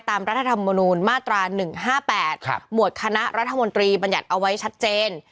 รัฐธรรมนูลมาตรา๑๕๘หมวดคณะรัฐมนตรีบรรยัติเอาไว้ชัดเจน